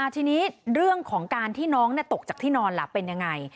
ทีนี้เรื่องของการที่น้องตกจากที่นอนล่ะเป็นยังไง